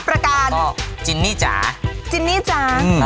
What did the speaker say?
แล้วก็ใดละตั๋ว